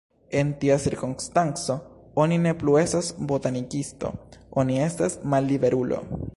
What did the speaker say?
En tia cirkonstanco, oni ne plu estas botanikisto, oni estas malliberulo.